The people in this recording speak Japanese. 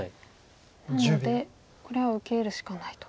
なのでこれは受けるしかないと。